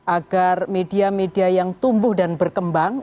agar media media yang tumbuh dan berkembang